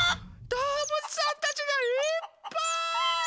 どうぶつさんたちがいっぱい！